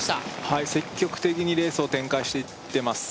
はい積極的にレースを展開していってます